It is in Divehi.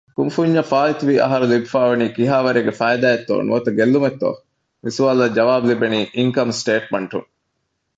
ކުންފުންޏަށް ފާއިތުވި އަހަރު ލިބިފައިވަނީ ކިހާވަރެއްގެ ފައިދާ އެއްތޯ ނުވަތަ ގެއްލުމެއްތޯ؟ މިސުވާލަށް ޖަވާބު ލިބެނީ އިންކަމް ސޓޭޓްމަންޓުން